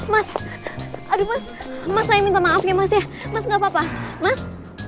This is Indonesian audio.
mas aduh mas mas saya minta maaf ya mas ya mas gak apa apa mas